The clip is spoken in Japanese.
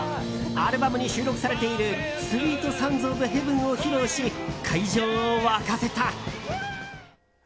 アルバムに収録されている「スウィート・サウンズ・オブ・ヘヴン」を披露し会場を沸かせた。